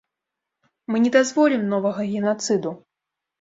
Мы не дазволім новага генацыду.